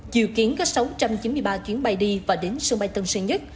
dự kiến có sáu trăm chín mươi ba chuyến bay đi và đến sân bay tân sơn nhất